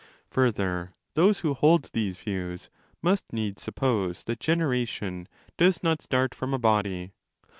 Further, those who hold these views must needs suppose that generation does not start from a body.